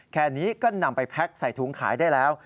แค่นี้ก็นำไปแพ็คใส่ถุงขายได้แล้ว